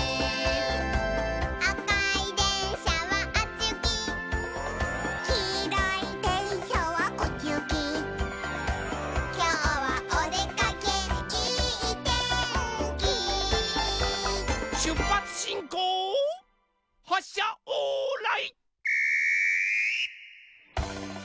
「あかいでんしゃはあっちゆき」「きいろいでんしゃはこっちゆき」「きょうはおでかけいいてんき」しゅっぱつしんこうはっしゃオーライ。